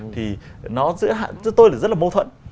thì nó giữa hạn giữa tôi là rất là mâu thuẫn